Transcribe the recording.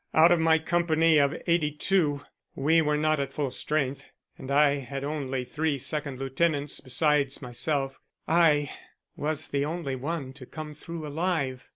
Out of my company of 82 we were not at full strength, and I had only three second lieutenants besides myself I was the only one to come through alive.